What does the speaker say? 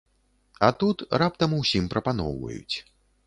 А тут раптам усім прапаноўваюць.